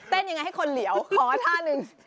เต้นยังไงให้คนเหลวขอท่าหนึ่ง